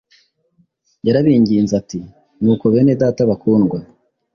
yarabinginze ati: “nuko bene data bakundwa,